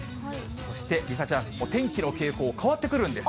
そして梨紗ちゃん、お天気の傾向、変わってくるんです。